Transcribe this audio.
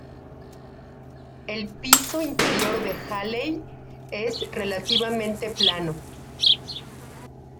El piso interior de Halley es relativamente plano.